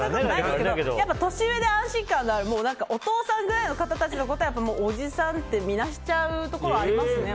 やっぱり年上で安心感があるお父さんくらいの方たちのことはおじさんってみなしちゃうところはありますね